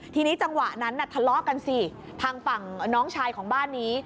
ทีนี้จังหวะนั้นน่ะทะเลาะกันสิทางฝั่งน้องชายของบ้านนี้